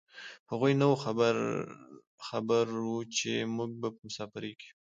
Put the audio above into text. هغوی نه خبر و چې موږ په مسافرۍ کې یو.